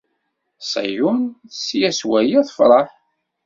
Ṣiyun tesla s waya, tefreḥ.